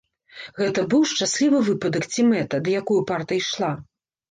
Гэта быў шчаслівы выпадак ці мэта, да якой упарта ішла?